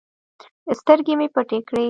سترگې مې پټې کړې.